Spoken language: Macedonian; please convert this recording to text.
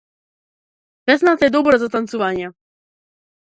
Песната е добра за танцување.